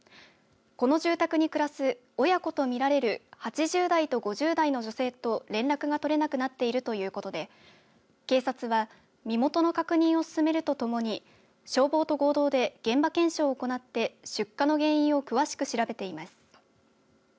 この住宅に暮らす親子とみられる８０代と５０代の女性と連絡が取れなくなっているということで警察は身元の確認を進めるとともに消防と合同で現場検証を行って出火の原因を詳しく調べています。